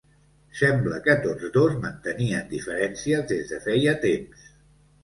Sembla que tots dos mantenien diferències des de feia temps.